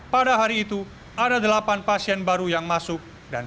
pada hari itu ada delapan pasien baru yang masuk